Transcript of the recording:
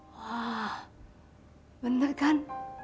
wah bener kan